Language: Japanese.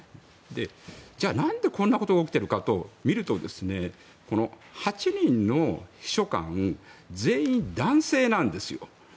じゃあなんでこんなことが起きているかというと８人の秘書官全員男性なんですよ。